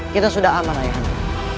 kita sudah aman ayah anda